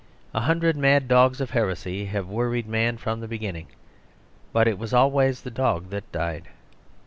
A hundred mad dogs of heresy have worried man from the begin ning; but it was always the dog that died.